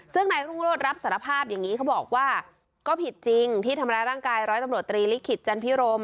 ซึ่งนายรุ่งโรธรับสารภาพอย่างนี้เขาบอกว่าก็ผิดจริงที่ทำร้ายร่างกายร้อยตำรวจตรีลิขิตจันพิรม